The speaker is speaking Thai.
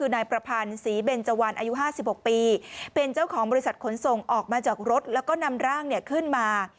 นายประพันธ์ศรีเบนเจวันอายุ๕๖ปีเป็นเจ้าของบริษัทขนส่งออกมาจากรถแล้วก็นำร่างขึ้นมา